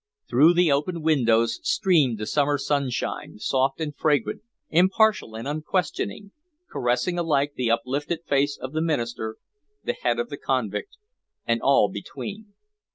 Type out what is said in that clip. Through the open windows streamed the summer sunshine, soft and fragrant, impartial and unquestioning, caressing alike the uplifted face of the minister, the head of the convict, and all between.